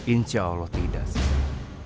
insya allah tidak farah